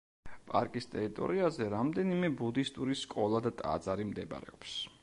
პარკის ტერიტორიაზე რამდენიმე ბუდისტური სკოლა და ტაძარი მდებარეობს.